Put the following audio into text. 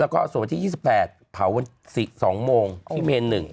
แล้วก็ส่วนที่๒๘เผาที่๒๒โมงเมนท์๑